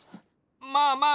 まあまあ。